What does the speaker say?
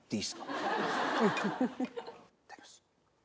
いただきます。